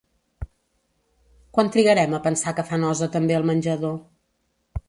Quant trigarem a pensar que fa nosa també al menjador?